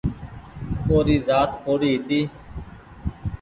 او ري زآت ڪوڙي هيتي